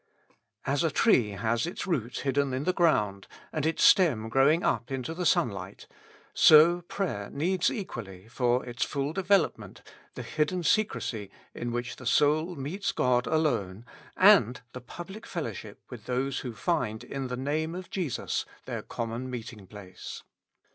As a tree has its root hidden in the ground and its stem growing up into the sunlight, so prayer needs equally for its full development the hidden secrecy in which the soul meets God alone, and the public fellowship with those who find in the name of Jesus their common meeting place.